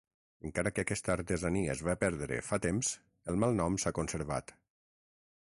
Encara que aquesta artesania es va perdre fa temps, el malnom s'ha conservat.